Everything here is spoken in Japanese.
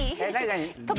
何？